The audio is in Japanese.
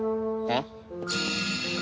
えっ！？